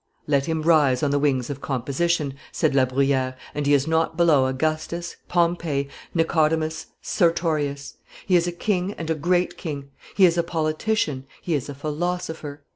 "Let him rise on the wings of composition," said La Bruyere, "and he is not below Augustus, Pompey, Nicodemus, Sertorius; he is a king and a great king; he is a politician, he is a philosopher."